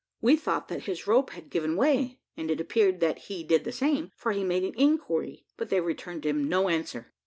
We thought that his rope had given way, and it appeared that he did the same, for he made an inquiry, but they returned him no answer.